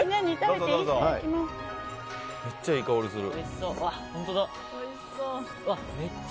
めっちゃいい香りする。